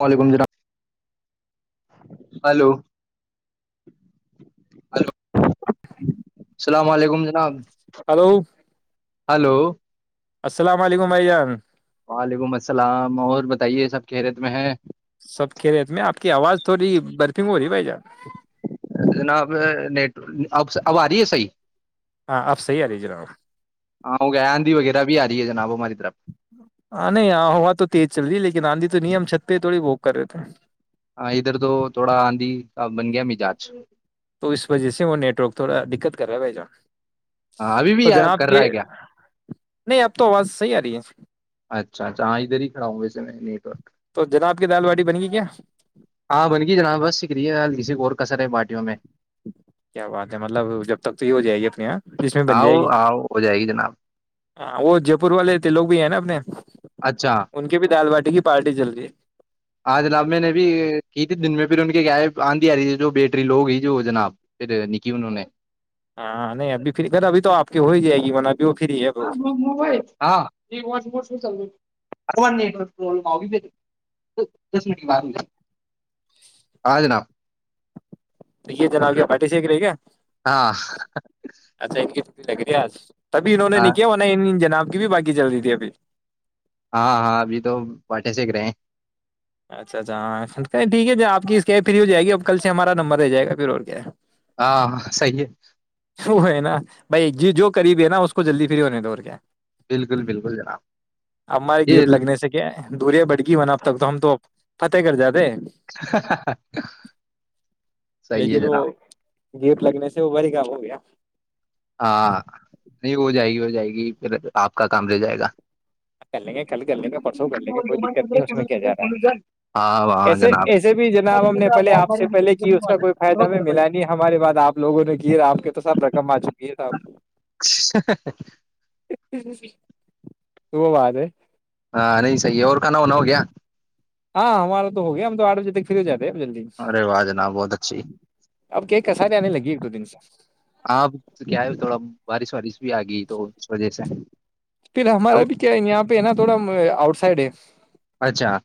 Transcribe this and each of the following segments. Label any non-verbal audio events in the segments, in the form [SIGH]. وعلیکم السلام hello hello [INAUDIBLE] السلام علیکم جناب ہلو ہلو السلام علیکم بھائی جان وعلیکم السلام اور بتائیے سب خیرت میں ہے سب کہ ریت میں آپ کی آواز تھوڑی برفنگ ہو رہی ہے بھائی جان جناب نٹ اب اب آ رہی ہے صحیح ہاں آپ صحیح آ رہی ہے جناب ہاں وہ گئے آھی وغیرہ بھی آ جناب ماری ہاں نہیں آ ہوا تو تیز چل رہی ہے لیکن آندھی تو تو نیم چھت پہ تھوڑی بک کر رہے تھ ہیں ہ ادھر تو تھوڑا آندھی بن گیا مزاج تو اس وجہ سے وہ نیٹ ورک تھوڑا دقت کر رہا ہے بھائی جان ہاں ابھی بھی تو جناب کر کے رہا ہے کیا نہیں آب تو آواز صحی آ رہی ہے اچھا اچ ہاں ادھر ہی کھا ہوںایے میں نی ورک تو جناب کی دال باٹی بن گئی کیا ہاں بن گی جناب بس شکریہ ہ کسی اور کا ے بارٹیوں میں کیا بات ہے مطلب جب تک تو یہ ہو جائے گی اپنے یہاں جس میں بن جائے آؤ گی آؤ ہو جائے گی جناب ہاں وہ جے پور والے تھ لو بھی ہیں نا اپنے اچھا ان کی بھی دال باٹی کی پارٹی چل رہی ہے ہاں جناب میں نے بھی کی تھی دن میں پھر ان کے کیا ہے آندھی آ رہی تھی جو بیٹری لوگ ہی جو جناب پھر نکھی انہوں نے ہاں نہیں ابھی پھرھر ابھی تو آپ کی ہو ہی جائے گی ج بنا ہاں م چل گ م ب ہاں جناب ر یہ جا کیا بٹٹی شییکریےا ہاں اچھا تبھی انہوں نے ہاں نہیں کیا وہ جناب کی بھی باقی چل رہی تھی ابھی ہاں ہاں ابھی تو پٹے سےک رہے ہیں اچھا اچھ ہاں ٹھیک ہے آپ اس کیب فری ہو جائے گی اب کل سے ہمارا نمبر رہ جائے گا پھر اور کیا ہے ہاں ہاں صی ہے وہ ہے نا بھائی جی جو قریب ہے نا اس کو جلدی فری ہونے دوور کیا بالکل بالکل جناب اب ہمارے یہ گیپ لگنے سے کیا دوریا بڑ گئی ہونا اب تک تو ہم تو فتح کرگر جادے صحیح ہے لیکن وہ جناب گیپ لگنے سے وہ بڑ کام وہ یا ہاں نہیں ہو جائے گی ہو جائے گی پھر آپ کا کام رہ جائے گا کر لیں گے کل کر لیں گے پرسوں کر لیں گے کوئی دقت نہیں اس میں کیا جا رہا ہے ہاں ہاں ایسے جناب ایسے بھی جناب ہم نے پہلے آپ سے پہلے کی اس کا کوئی فائدہ ہمیں ملا نہیں ہماریے بات آپ لوگوں نے کی آپ کے تو سب رقم آ چکی یہ تھاپ ی وہ وہااد ہے ہاں نہیں صحیح ہے اور کھانا ہونا ہو گیا ہاں ہمارا تو ہو گیا ہم تو آھ بجے تک پھرری ہو جاتے جلدی ارے واہ جناب بہت اچھی اب کی ک سار آنے لگی ایک دو دن سے چ ہاں کیا ہے تھوڑا بارش ساری بھی آگئی تو اس وجہ سے پھر اب ہمارا بھی کیا یہاں پہ نا تھوڑا آؤٹ سائڈ ہے اچھا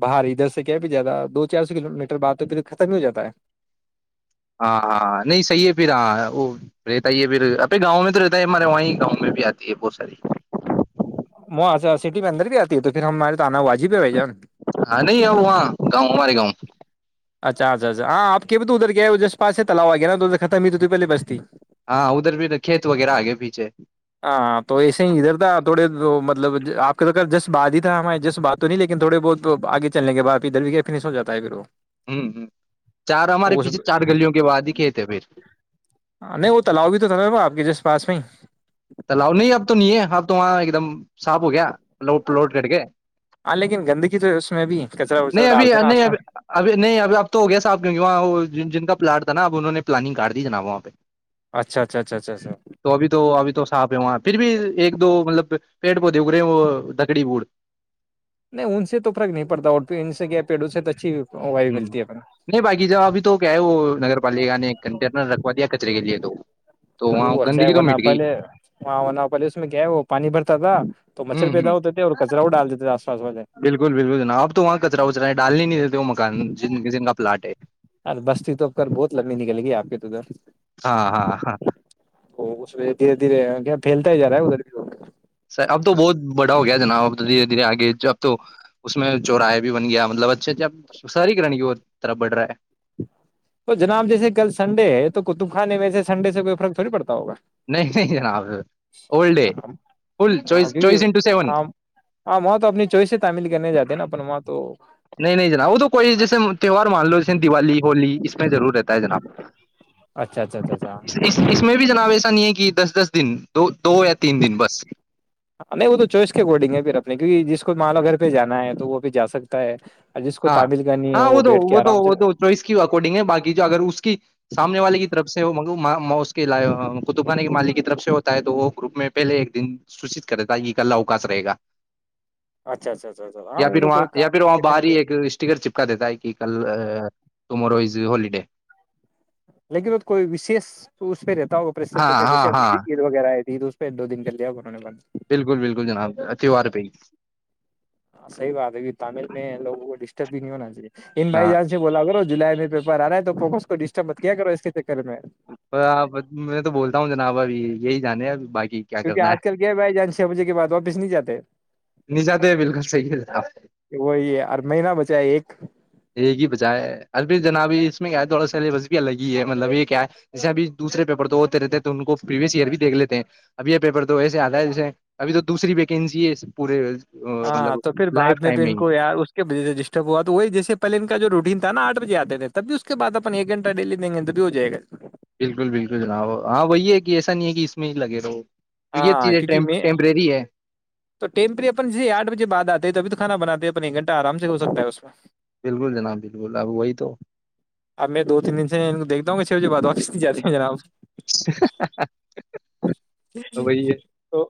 باہر ادھر سے کیا پ زیادہ دو چار سو کلو میٹر بعد تو پھر ختم ہی ہواتا ہے ہاں ہاں نہیں صحیح ہے پھر ہاں وہ رہتا ہی پھر ابے گاؤں میں تو رہتا ہے ہمارے وہاں گاؤں میں بھی آتی ہے بہت ساری وہاں سے سٹی میں اندر بھی آتی ہے تو پھر ہمارے تو آنا واجب ہے بھائی جان ہاں نہیں اور وہاں گاؤں ہمارے گاؤں اچھا اچھاچھ ہاں آپ کے تو اد گیا جس پا سے تلاو آ گیاا اد ختم ہو تو تھی پلے بسھی ہاں ادھر بھی کھیت وغیرہ آگے پیچھے ہاں تو ایسے ہی ادھر تھا تھوڑے مطلب آپ کے تو جس بات ہی تھا ہماراری جس بات تو نہیں لیکن تھوڑے بہت آگے چلنے کے بعد ادھر بھی گ فنش ہو جات ہے پھر وہ ہوں ہ چار ہمارے تو اس پیچھے چار گلیوں کے بادیکھے تھ پھر پاچویں تالؤ نہیں اب تو نہیں ہے اب تو وہاں ایک دم صاف ہو گیا لوٹ لوٹ کر کے ہاں لیکن گندگی تو اس میں بھی کچرا وچرا نہیں ابھی ڈالتے نا نہیں آس پاس ابھی ابھی نہیں ابھی اب تو ہو گیا صاحب کیک وہاں جن کا پلاٹ ن ا انہوں نے پلانگ کر دی ج نناب وہاں پہ اچھا اچھا اچھا اچھا اچھا اپ ہے وہاں پھر بھی ایک دو مطلب پیڑ پودے اگ رہے وہ دکڑی بوڑ نہیں ان سے تو فرق نہیں پڑتا اورھر ان سے کیا پیڑوں سے تو اچھی وایو ہ ملتی ہے اپن نہیں باقی جب ابھی تو کیا ہے وہ نگر پالکا نے کنٹینر رکھوا دیا کچرے کے لیے تو تو وہاں وہ اچھا گندگی تو ہےنا مٹ گئی پہلے وہاں پہلے اس میں گیا ہے وہ پانی بھر تدا [UNINTELLIGIBLE] ہ ہ آس پاس والے بالکل بالکل جناب آب تو وہاں کچرا وچرا ڈالنے نہیں دیتے وہ مکان جنن کا پلاٹ ہے ار بستی تو اب کر بہت لڑنی نکلے گی آپ کے تو ادھر ہاں ہاں ہاں تو اس میں دھیرے دھیرے پھیلتا ہی جا رہا ہے ادھر بھی سر اب تو بہت بڑ ہو گیا جناب اب تو دھیرے دھیرے آگے اب تو اس میں چوراہے بھی بن گیا مطلب اچھے اچھے ساری کرن طرف بڑ رہا ہے تو جناب جیسے کل سنڈے ہے تو قطب خانے میں سے سنڈے سےئی فرقوڑی پڑتا ہوا نہیں نہیں جناب اولڈ ہے ہاں فل ہاں چوائس کیکاں چوائس انٹو سیون ہاں وہاں تو اپنی چوائس سے تعمیل کرنے جاتے نا اپ وہاں تو نہیں نہیں جناب وہ تو کوئی جیسے تہوار مان لو جیسے دیوالی ہولی اس میں ضرور رہتا ہے جناب اچھا اچھا اچھا اچھا اس اس میں بھی جناب ایسا نہیں ہے کہ دس دس دن تو نہیں ا تو چوئس کے کوڈنگ ہے پ نہیں جس مالو گھر پہ جانا ہے تو وہ بھی جا سکتا ہے جس کو ہاں تعمیل کرنی ہے ہاں وہ تو بیٹھ کے وہ تو آرام سے وہ تو چوائس کی اکارڈنگ ہے باقی جو اگر اس کی سامنے والے کی طرف سے اس کطب کے مالک کی طرف سے ہوتا ہے تو وہ گوپ میں پہلے ایک دن سوچت کرتا ہے یہ کلہ اوکاش رہے گا اچھا اچھا اچھا اچھا ہاں یا وہ پھر تو وہاں کوئی کا یا پھر وہاں باہر ہی ایک اسٹیکر چپکا دیتا ہے کہ کل ٹمورو از ہوالڈے لیکن وہ کوئی وشیش تو اس پہ رہتا ہاں پرستتی پہ ہاں جیے ہاں عید وغیرہ آ ج تو اس پہ دو دن کر لیانہ نے بند بالکل بالکل جناب ا تیوار پئی ہاں بانناے [UNINTELLIGIBLE] انن بھائی جان سے بولا کرو جلائی میں پیپر آ رہا تھا س کو ڈسٹرب [UNINTELLIGIBLE] آپ میں تو بولتا ہوں جناب ابھی یہی جان ہے اب بائک کیکہ آج کل کیا بائی جان چھ بجے کے بعد تو واپس نہیں جاتے نہیں جاتے بالکل صحیح ہے جناب وہی ہے ہر مہین بچ ہے ایک [UNINTELLIGIBLE] یہ ہی بجائے ارب جناب اس میں کیا ہے تھوڑا سلیبس بھی الگ ہی ہے مطلب یہ کیا ہے جیسے ابھی دوسرے پیپر تو ہوتے رہتے ہیں تو ان کو پرریویس ایئر بھی دیکھ لیتے ہیں اب یہ پیپر تو ایسے آتا ہے جیسے ابھی تو دوسری ویکینسی ہے پورے مطلب ہاں تو پھر لائف بعد میں پ ٹائم ان ہی کو ار اس کےج سے ڈسٹرب ہوا تو وہی جیسے پہل ان کا جو روٹین تھا نا آٹ بجے آتے تھے تب بھی اس کے بع اپن ایک گھٹہ ڈیلی دیں گے تو بھی ہو جائے گا بالکل بالکل جناب ہاں وہی ہے کہ ایسا نہیں ہے کہ اس میں ہی لگے رہو تو یہ ہاں چیزیں کیونکہ میں ٹیمپریری ہے تو ٹیمپری اپن جے آٹھ بجے بعد آتے تو ابھی تو کھا بناتے ہیں اپنے ایک گھٹہ آرام سے ہو سکتا ہے اس میں بالکل جناب بالکل اب وہی تو اب میں دو تین دن سے ان کو دیکتا ہوں گ جو بات واقستی جاتی ہے ہیں جناب [UNINTELLIGIBLE] وہی ہے تو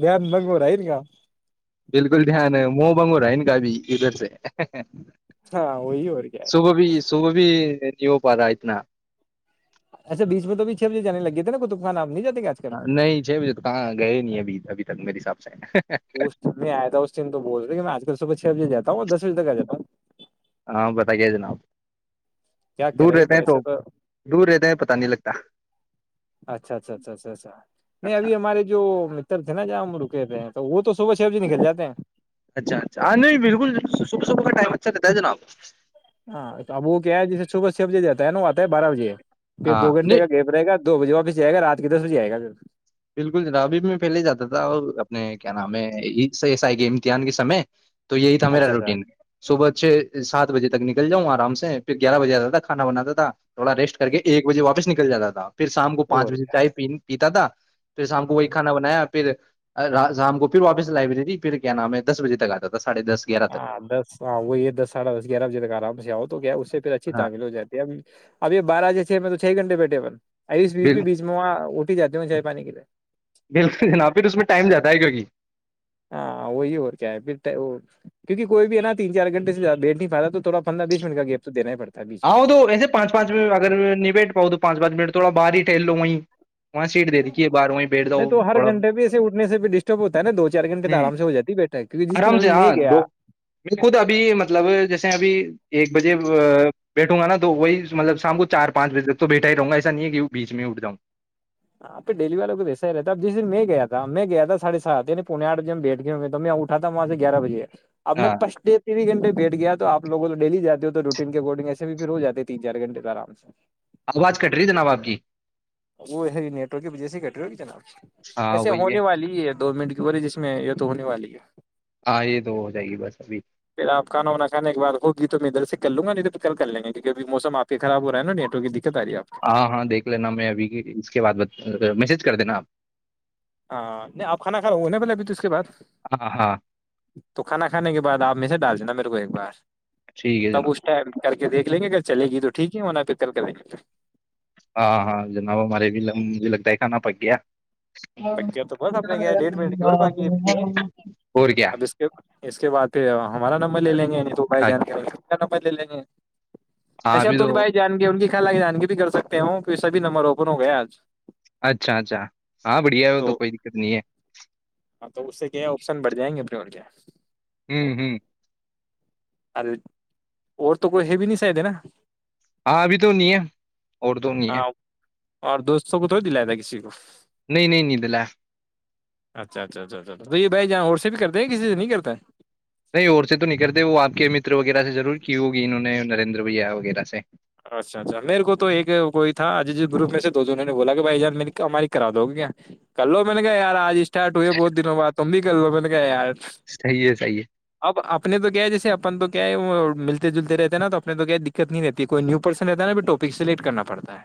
دان منگو رہی ن گ بالکل دھیان ہے مہ بگ رہا ہے کا بھی ادھر سے ہاں وہی اور کیا ہے ص وہ بھی نہیں ہو پا رہا اتنا اچھا بیچ میں تو بھی چھ بجے جان لگے تھ نا کوئیفان آپ جا ہاں نہیں چھ بجے تو کہاں گئے نہیں ابھی ابھی تک میرے ح سااب چ اس آئےا اسم تو بول رہے میں آج صبح چھ بجے جاتا ہوں دس بجے تک آ جا ہوں ہاں بتائیے جناب کیا دور کریں گے رہتے پ ہیں ایسے تو دور رہتے ہیں پتہ نہیں لگتا اچھا اچھا اچھا اچھا اچھا نہیں ابھی ہمارے جو تھے نا ج ہم رکے تھے ہیں تو وہ تو صبح چھ بجے نکل جاتے ہیں اچھا اچھا نہیں بالکل صبح صبح کا ٹائم چے تجناب ہاں تو اب وہ کیا ہے جسے صبح چھ بجے جتا ہے ن آتا ہے بارہ بجے پھر ہاں دو گھنٹے نہیں کا گیپ رہے گا دو بجے واپس جائے گا رات کے دس بجے آئے گ سر بالکل جناب ابھی بھی میں پہلے ہی جاتا تھا اور اپنے کیا نام ہے گ امتحان کے سمے تو یہی تیر اچھا اچھا روٹیین سوبت چھ سات بجے تک نکل جاؤں آرام سے پھر گیارہ بجے آا تھا کھانا بناتا تھا تھوڑا ریسٹ کر کے ایک بجے واپس نکل جاتا تھا پھر شام کو پانچ اور بجے کیا چائے پین پتا د پھر شام کو وہی کانا بنایا پھر شام کو پھر واپس سے لائبریری پھر کیا نام ہے دس بجے تک آتا تھا ساڑھے دس گیارہ تک ہاں دس ہاں وہی دس ساھا دس گیارہ بجے تک آرام سے آؤ گیا اس سے پھر اچھی ہاں تعیل ہو جات ہے اب اب یہ بارہیسے چھ گھنٹے بیٹھے بن اس بیچ بھی بیچ میں وہاں پ جاتی ہوں چاہ پانی کے لیے بالکل جناب پھر اس میں ٹائم جاتا ہے کیونکہ ہاں وہی ہو اور کیا ہے پھر کیونکہ کوئی بھی ہے نا تین چار گھنے سے ز دٹ نہیں پاتا تو تھوڑا پندرہ بیس منٹ کا گیپ تو دینا ہی پڑتا ہے بیچ میں ہاں وہ تو ایسے پانچ پانچ میں اگر نبٹ پؤ دو پان منٹ تھوڑا باہر ہی ٹہلو وہیں وہاں سیٹ دے دھی ہے باہار وہیں بیٹھ نہیں جاؤ تو ہر تھوڑا گھنٹے بھی ایسے اٹھنے سے بھی ڈسٹرب ہوتا ہے نا دو چار گھنٹے تو ہ آرام سے ہو جاتی ہے بیٹھک کیونکہ جس دن آرام سے ابھی میں ہاں دو گیا خود ابھی مطلب جیسے ابھی ایک بجے بیٹھوں گا نا تو وہی مطلب شام کو چار پانچ بجے تک تو بیٹھا ہی رہوں گا ایسا نہیں ہے کہ بیچ میں اٹھ جاؤں ہاں پہ ڈلی والوں کو ویسا ہی رہتا اب جس دن میں گیا تھا میں گیا تھا ساھے سات یع پنے آھج میں بیٹھ گئے تو میں اٹا تھا وہاں سے گیارہ بجے اب میں ہاں پچٹے تینس گھنٹے بیٹھ گیا تو آپوگوں تو ڈیلی جاتے ہو تو تو روٹین کے بورڈنگ ایسے بھی پھر ہو جاتی تین چار گھنے آرام سے آواز کٹ رہی ہے جناب آپ جی وہ ہے نیٹ ورک کی وجہ سے ہی کٹ رہی ہوگی جناب ہاں ایسے وہی ہے ہونے والی ہے دو منٹ کی وجہ جس میں یہ تو ہونے والی ہے ہاں یہ تو ہو جائے گی بس ابھی پھر آپ کھانا وانا کھانے کے بعد خود ج تو میں ادھر سے کر لوںا اھر کریں گے کیونکب مسم آپ خراب ہو رہا نایٹوں کی د ہاں ہاں دیکھ لینا میں ابھی اس کے بعد میسج کر دینا آپ ہاں نہیں آپ کھانا کھا ہو ن پہلے ابھی تو اس کے بعد آپ ہاں ہاں تو کھانا کھانے کے بعد آپ م سے ڈال دینا میرے کو ایک بار ٹھیک ہے جناب تب اس ٹائم کر کے دیکھ لیں گے اگر چلے گی تو ٹھیک ہےنا کتل کے نہیں ہاں ہاں جناب ہمارے بھی مجھے لگتا ہے کھانا پک گیا ب تو بس کیا ڈاقی اور کیا ا اس کے بعد پھر ہمارا نمبر لے لیں گے توائی جان بل لے ہاں اچسا ابھی تو تن بھائی جان گے ان کی کیا لگے جانگی بھی کر سکتے ہو کہ سبھی نمبر اوپن ہو گیا آج اچھا اچھا ہاں بڑھیا ہے ا تو کوئی دقت نہیں ہے ہاں تو اس سے کیا ہے آپشن ب جیں ابڑ و کے ہوں ہوں ارے اور تو کوئی ہے بھی نہیں س د نا ہاں ابھی تو نہیں ہے اورد نہیں ہاں ہے اور دوستوں کو تو دلایا تھا کسی کو نہیں نہیں ند ل اچھا اچھا اچھچ تو یہ بھائی جہاں اور سے بھی کرتے ہیں کسی سے نہیں کرتا ہے نہیں اور سے تو نہیں کرتے وہ آپ کے متر وغیرہ سے ضرور کی ہوگی انہوں نے نریندر بھیا وغیرہ سے اچھا اچھا میرے کو تو ایک کوئی تھاج گروپ میں سے دو دونوں نے بولا کہ بھائی جان ہماری کرا دو گی کیا کر لو میں نے کہ ار آج تھٹ ہوئے بہت دنوں بع تم بھی لو م میں کہ یار صحیح ہے صحیح ہے اب اپنے تو کیا جیسے اپن تو کیا ملتے جلتے رہتے ہیں نا تو اپنے تو کیا دقت نہیں رہتے کوئی نیو پرسن رہتا ہے نا ٹاپک سلیکٹ کرنا پڑتا ہے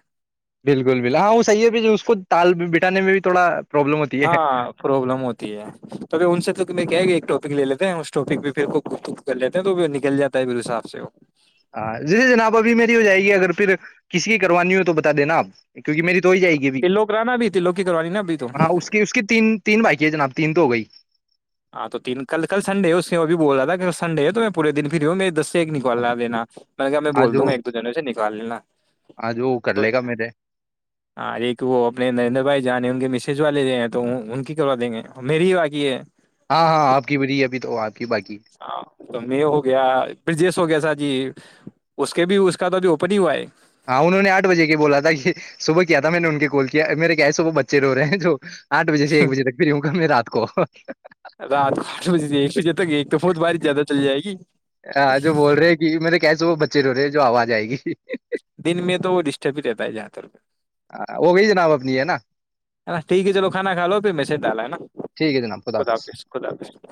بالکل بالکل ہاں وہ صحیح ہے ب اس کو تال بٹانے میں بھی تھوڑا پروابلم ہوتی ہے ہاں پروابلم ہوتی ہے توبھی ان سے تو کہ گ ایکٹ لے لیتے ہیں اس ٹاپک بھی پ کر لیتے ہیں تو نکل جا ہے پھر حساب سے وہ ہاں جیسے جناب ابھی میری ہو جائے گی اگر پھر کسی کی کروانی ہو تو بتا دینا آپ کیونکہ میری تو ہی جائے گی ا بھی تلو کرانا بھی تلو کی کروانی نا ابھی تو ہاں اس کی اس کی تین تین بائکی ہے جناب تین تو ہو گئی ہاں تو تین کل کلنڈے ہے اس نے وہ بھی بول رہا تھا کلنڈے ہو تو میں پورے دن پھرری ہو میںے دسے ایک نکالاینا مط کہ میں آج بول دوں وہ گا ایک دو جنوں سے نکال لینا آج وہ کر تو لے گا میرے ہاں ایک وہ اپنے نریندر بھائی جانے ہوں گے م چھجوا لے رہے ہیں تو ان کی کروا دیں گے اور میری ہی باقی ہے ہاں ہاں آپ کی بریی ابھی تو بات ہے ہاں تو میں ہو گیا برجیش ہو گیا س جی اس کے بھی اس کا تو جو اوپن ہیگ ہوا ہے ہاں انہوں نے آٹھ بجے کے بولا تھا کہ صبح کیا تھا میں نے ان کے کال کیا میرے کیا ہے صبح بچے رو رہے ہیں جو آٹھ بجے سے ایک بجے تک فری ہوں گا میں رات کو رات کو آٹھ بجے سے ایک بجے تک ایک تو بہت بارش زیادہ چل جائے گی ہاں جو بول رہے کہ میں نے کہس وہ بچے رو رہے جو آواز آئے گی [UNINTELLIGIBLE] دن میں تو وہ ڈسٹرب ہی رہتا ہے جہاں تر ہو گئی جناب اپنی ہے نا نا ٹھیک ہے چلو کھانا کھا لو پھر میں سے ڈالا ہے نا ٹھیک ہے جناب خدا حافظ خدا حافظ